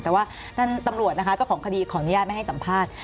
แต่ว่าท่านตำรวจนะคะเจ้าของคดีขออนุญาตไม่ให้สัมภาษณ์